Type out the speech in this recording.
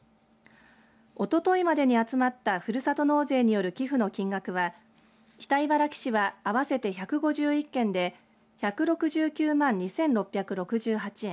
おとといまでに集まったふるさと納税による寄付の金額は北茨城市は合わせて１５１件で１６９万２６６８円